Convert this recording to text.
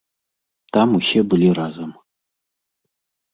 Там усе былі разам.